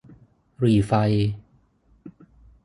หรี่ไฟ